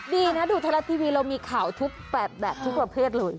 ดีนะดูไทยรัฐทีวีเรามีข่าวทุกแบบทุกประเภทเลย